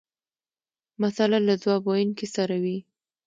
مساله له ځواب ویونکي سره وي.